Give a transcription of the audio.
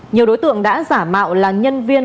nhiều đối tượng đã giả mạo là nhân viên